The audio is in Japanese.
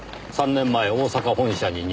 ３年前大阪本社に入社。